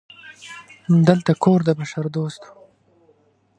دلته کور د بشردوستو